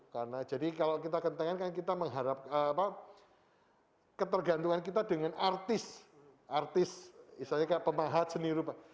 karena jadi kalau kita kentengan kan kita mengharap ketergantungan kita dengan artis artis istilahnya kayak pemahat seni rupa